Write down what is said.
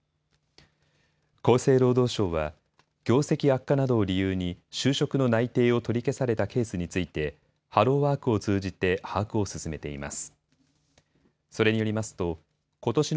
厚生労働省は、業績悪化などを理由に、就職の内定を取り消されたケースについて、ハローワークを通じて把握を進めています。